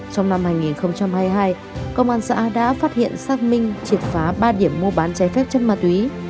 trong năm hai nghìn hai mươi hai công an xã đã phát hiện xác minh triệt phá ba điểm mua bán trái phép chất ma túy